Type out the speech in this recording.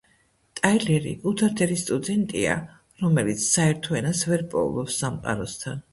ტაილერი უდარდელი სტუდენტია, რომელიც საერთო ენას ვერ პოულობს სამყაროსთან.